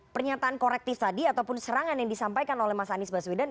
pernyataan korektif tadi ataupun serangan yang disampaikan oleh mas anies baswedan